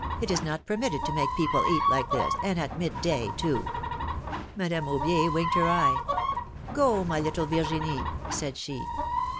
It is not permitted to make people eat like this — and at mid day, too !" Madame Aubier winked her eye. ^^Go, my little Virgime," said she.